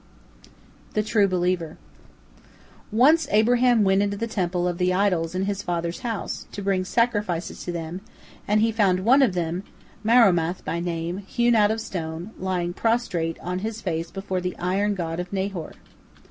THE TRUE BELIEVER Once Abraham went into the temple of the idols in his father's house, to bring sacrifices to them, and he found one of them, Marumath by name, hewn out of stone, lying prostrate on his face before the iron god of Nahor.